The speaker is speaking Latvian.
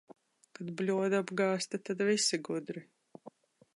Kad bļoda apgāzta, tad visi gudri.